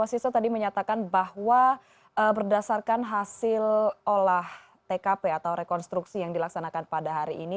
mahasiswa tadi menyatakan bahwa berdasarkan hasil olah tkp atau rekonstruksi yang dilaksanakan pada hari ini